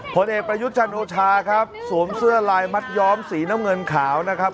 ผลเอกประยุทธ์จันโอชาครับสวมเสื้อลายมัดย้อมสีน้ำเงินขาวนะครับ